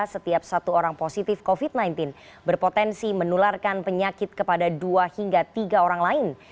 setiap satu orang positif covid sembilan belas berpotensi menularkan penyakit kepada dua hingga tiga orang lain